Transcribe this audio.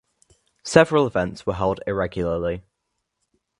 Several events were held irregularly.